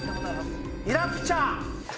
イラブチャー！